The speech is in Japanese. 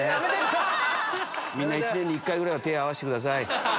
みんな１年に１回ぐらいは手を合わせてください。